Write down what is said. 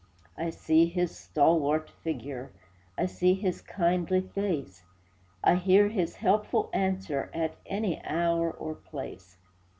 I see his stalwart figure, I see his kindly face, I hear his helpful answer At any hour or place.